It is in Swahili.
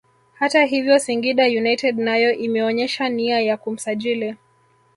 Hata hivyo Singida United nayo imeonyesha nia ya kumsajili